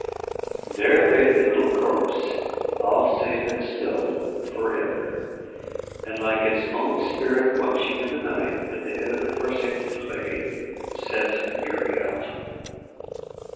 There laid the little corpse, all safe and still for ever. And like its own spirit watching in the night at the head of the forsaken clay, sat Muriel.